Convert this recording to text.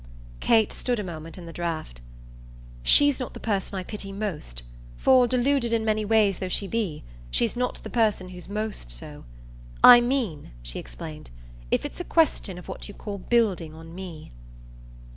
Kate stood a moment in the draught. "She's not the person I pity most, for, deluded in many ways though she may be, she's not the person who's most so. I mean," she explained, "if it's a question of what you call building on me."